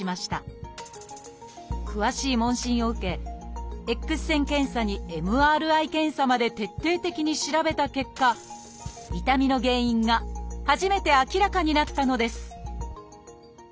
詳しい問診を受けＸ線検査にＭＲＩ検査まで徹底的に調べた結果痛みの原因が初めて明らかになったのです